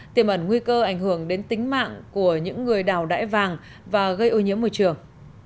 tiềm ẩn nguy cơ ảnh hưởng đến tính mạng của những người đào đải vàng và gây ô nhiễm môi trường